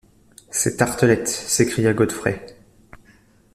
C’est Tartelett! s’écria Godfrey.